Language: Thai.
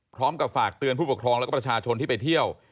พร้อมกับฝากเตือนผู้ปกครองแล้วก็ประชาชนที่ไปเที่ยว